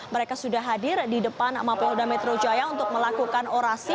mereka sudah hadir di depan mapolda metro jaya untuk melakukan orasi